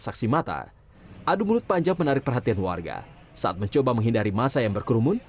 saksi mata adu mulut panjang menarik perhatian warga saat mencoba menghindari masa yang berkerumun